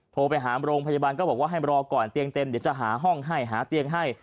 โทรไปหาโรงพยาบาลก็บอกว่าให้รอก่อนเตียงเต็มเดี๋ยวจะหาห้องให้หาเตียงให้